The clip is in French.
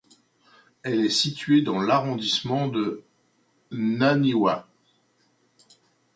Elle est située dans l'arrondissement de Naniwa.